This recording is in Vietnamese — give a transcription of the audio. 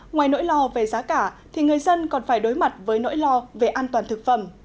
ngoài nỗi lo về giá cả thì người dân còn phải đối mặt với nỗi lo về an toàn thực phẩm